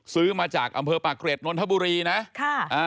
ซื้อมาจากอำเภอปะเกร็ดนนทบุรีนะ